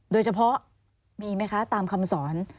โดยเฉพาะมีไหมคะตามคำสอน